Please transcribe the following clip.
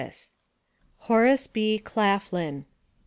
HORACE B. CLAFLIN.